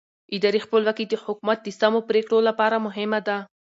اداري خپلواکي د حکومت د سمو پرېکړو لپاره مهمه ده